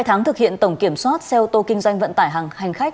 hai tháng thực hiện tổng kiểm soát xe ô tô kinh doanh vận tải hàng hành khách